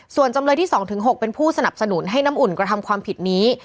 ส่วนจำเลยที่๒๖เป็นผู้สนับสนุนให้น้ำอุ่นกระทำความผิดนี้